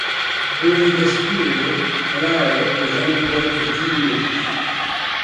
During this period, Henare was unemployed for two years.